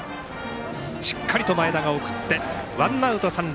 しっかりと前田が送ってワンアウト、三塁。